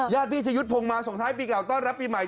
ย่าดพี่ชะยุดพงมาส่งท้ายปีเก่าตอนรับปีใหม่